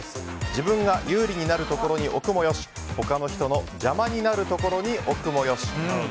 自分が有利になるところに置くもよし他の人の邪魔になるところに置くもよし。